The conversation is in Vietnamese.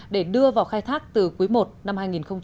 để đưa vào khai thác từ cuối một năm hai nghìn một mươi chín